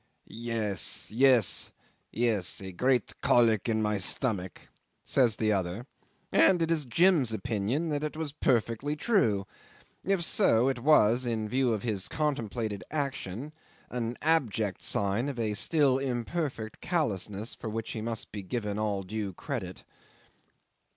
"Yes, yes, yes. A great colic in my stomach," says the other; and it is Jim's opinion that it was perfectly true. If so, it was, in view of his contemplated action, an abject sign of a still imperfect callousness for which he must be given all due credit.